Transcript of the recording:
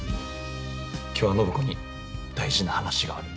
今日は暢子に大事な話がある。